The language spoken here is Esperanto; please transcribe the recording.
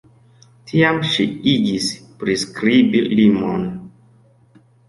Tiam ŝi igis priskribi limon.